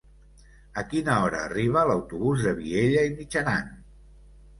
A quina hora arriba l'autobús de Vielha e Mijaran?